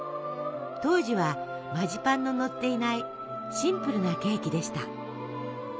当時はマジパンののっていないシンプルなケーキでした。